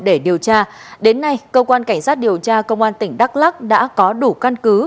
để điều tra đến nay cơ quan cảnh sát điều tra công an tỉnh đắk lắc đã có đủ căn cứ